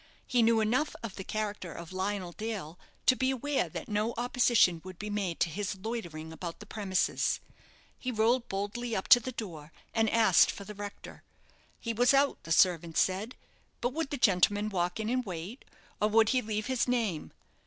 He knew enough of the character of Lionel Dale to be aware that no opposition would be made to his loitering about the premises. He rode boldly up to the door, and asked for the rector. He was out, the servant said, but would the gentleman walk in and wait, or would he leave his name.